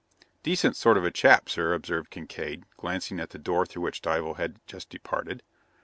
"Decent sort of a chap, sir," observed Kincaide, glancing at the door through which Dival had just departed.